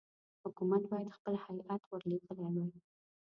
حکومت باید خپل هیات ورلېږلی وای.